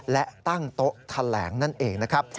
และตั้งโต๊ะแถลงนั่นเองนะครับ